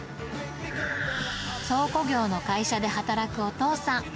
倉庫業の会社で働くお父さん。